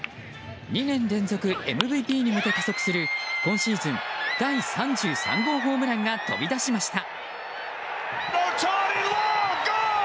２年連続ＭＶＰに向け加速する今シーズン第３３号ホームランが飛び出しました。